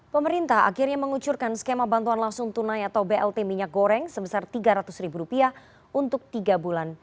pemerintah akhirnya mengucurkan skema bantuan langsung tunai atau blt minyak goreng sebesar rp tiga ratus ribu rupiah untuk tiga bulan